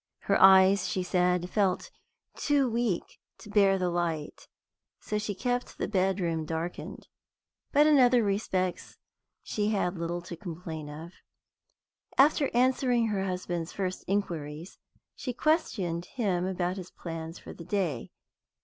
Her eyes, she said, felt too weak to bear the light, so she kept the bedroom darkened. But in other respects she had little to complain of. After answering her husband's first inquiries, she questioned him about his plans for the day.